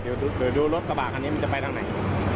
ดูรถกระบะคันนี้มันจะไปทางไหน